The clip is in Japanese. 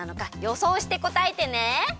そうしてこたえてね！